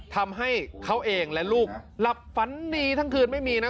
ทำให้เขาเองและลูกหลับฝันดีทั้งคืนไม่มีนะ